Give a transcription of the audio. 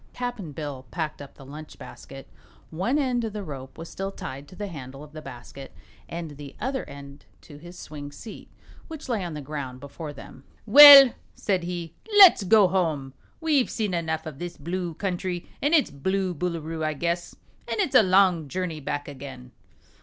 Cap'n Bill packed up the lunch basket. One end of the rope was still tied to the handle of the basket and the other end to his swing seat, which lay on the ground before them. "Well," said he, "let's go home. We've seen enough of this Blue Country and its Blue Boolooroo, I guess, an' it's a long journey back again."